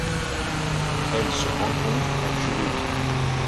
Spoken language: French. Elle se rencontre à Juruti.